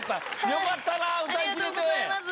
よかったなぁ歌い切れて。